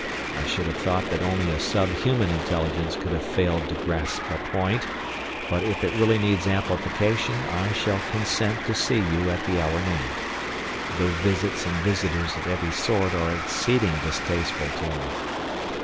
I should have thought that only a sub human intelligence could have failed to grasp the point, but if it really needs amplification I shall consent to see you at the hour named, though visits and visitors of every sort are exceeding distasteful to me.